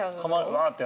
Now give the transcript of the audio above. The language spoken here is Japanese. わって？